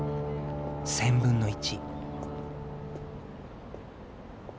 １０００分の１。